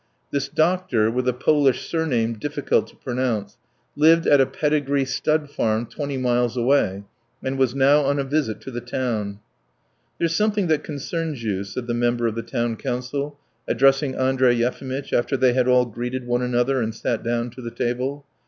This doctor, with a Polish surname difficult to pronounce, lived at a pedigree stud farm twenty miles away, and was now on a visit to the town. "There's something that concerns you," said the member of the town council, addressing Andrey Yefimitch after they had all greeted one another and sat down to the table.